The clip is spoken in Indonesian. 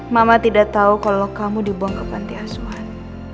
mama tidak tau kalo kamu dibuang ke panti asuhan